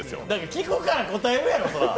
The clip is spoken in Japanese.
聞くから答えるやろ、そりゃ。